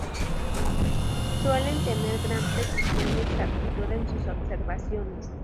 Suelen tener gran precisión y exactitud en sus observaciones.